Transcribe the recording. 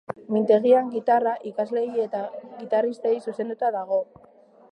Mintegian gitarra ikasleei eta gitarristei zuzenduta dago.